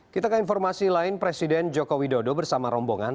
kita ke informasi lain presiden joko widodo bersama rombongan